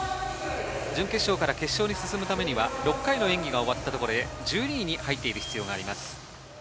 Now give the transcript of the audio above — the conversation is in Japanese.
準決勝から決勝に進むためには６回の演技が終わったところで１２位に入っている必要があります。